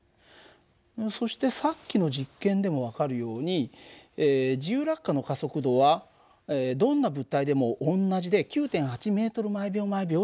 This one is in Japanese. そしてさっきの実験でも分かるように自由落下の加速度はどんな物体でも同じで９．８ｍ／ｓになるんだ。